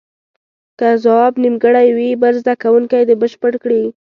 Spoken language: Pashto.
که ځواب نیمګړی وي بل زده کوونکی دې بشپړ کړي.